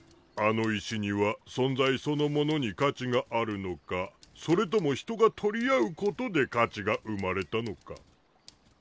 あの石には存在そのものに価値があるのかそれとも人が取り合うことで価値が生まれたのか。